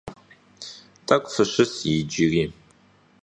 T'ek'u fışıs yicıri.